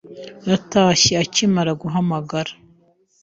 Yatashye akimara guhamagara.